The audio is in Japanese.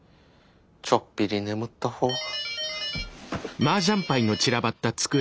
ちょっぴり眠った方が。